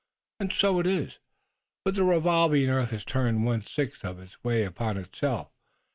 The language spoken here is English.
"And so it is. But the revolving earth has turned one sixth of its way upon itself.